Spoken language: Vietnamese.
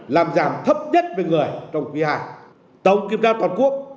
làm giảm thấp nhất về người trong khu vực hạng tổng kiểm tra toàn quốc